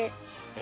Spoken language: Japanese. え！